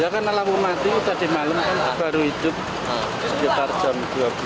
ya karena laku mati tadi malam kan baru hidup sekitar jam dua belas